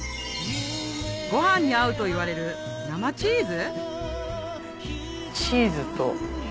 ご飯に合うといわれる生チーズ？